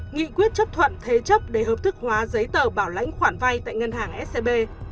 nghị quyết chấp thuận thế chấp để hợp thức hóa giấy tờ bảo lãnh khoản vay tại ngân hàng scb